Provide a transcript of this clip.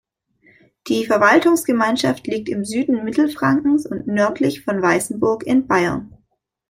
Die Verwaltungsgemeinschaft liegt im Süden Mittelfrankens nördlich von Weißenburg in Bayern.